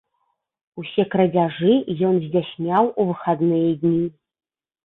Усе крадзяжы ён здзяйсняў у выхадныя дні.